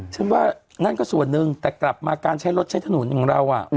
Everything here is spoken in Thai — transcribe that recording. ฉันว่านั่นก็ส่วนหนึ่งแต่กลับมาการใช้รถใช้ถนนของเรา